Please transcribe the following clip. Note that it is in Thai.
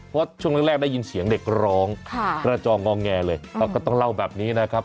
เพราะช่วงแรกได้ยินเสียงเด็กร้องกระจองงองแงเลยเขาก็ต้องเล่าแบบนี้นะครับ